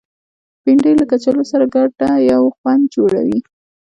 بېنډۍ له کچالو سره ګډه یو خوند جوړوي